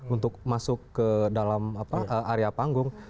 untuk masuk ke dalam area panggung